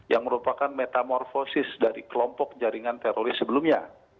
yang merupakan metamorfosis dari kelompok jaringan teroris sebelumnya